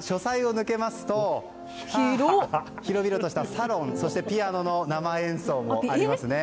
書斎を抜けますと広々としたサロン、ピアノの生演奏もありますね。